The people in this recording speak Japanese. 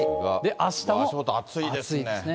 あしたも暑いですね。